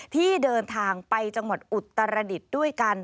ที่เดินทางไปจังหวัดอุตรดิษฐ์ด้วยกัน